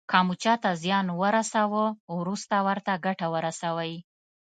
که مو چاته زیان ورساوه وروسته ورته ګټه ورسوئ.